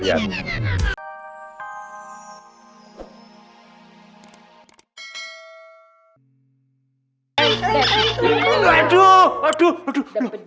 aduh aduh aduh aduh aduh